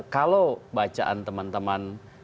kalau bacaan teman teman